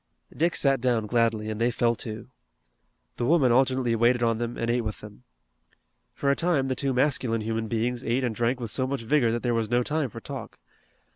Dick sat down gladly, and they fell to. The woman alternately waited on them and ate with them. For a time the two masculine human beings ate and drank with so much vigor that there was no time for talk.